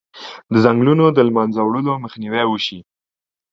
د ځنګلونو د له منځه وړلو مخنیوی وشي.